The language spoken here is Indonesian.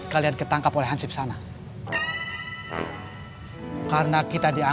kenapa kamu tak bersama besarnya